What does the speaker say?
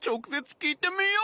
きいてみよう！